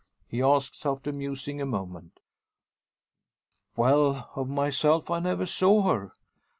he asks after musing a moment. "Well, of myself I never saw her.